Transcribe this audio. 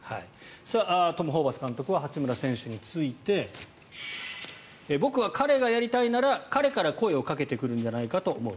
トム・ホーバス監督は八村選手について僕は彼がやりたいなら彼から声をかけてくるんじゃないかと思う。